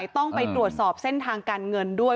ต้องไปตรวจสอบเส้นทางการเงินด้วย